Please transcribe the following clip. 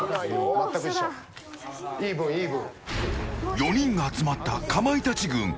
４人が集まった、かまいたち軍。